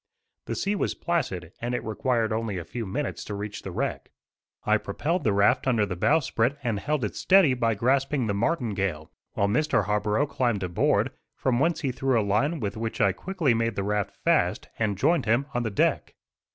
The sea was placid, and it required only a few minutes to reach the wreck. I propelled the raft under the bow sprit and held it steady by grasping the martingale, while Mr. Harborough climbed aboard, from whence he threw a line with which I quickly made the raft fast, and joined him on the deck.